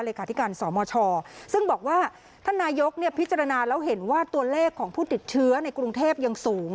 ที่การสมชซึ่งบอกว่าท่านนายกพิจารณาแล้วเห็นว่าตัวเลขของผู้ติดเชื้อในกรุงเทพยังสูง